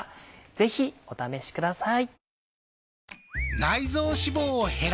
ぜひお試しください。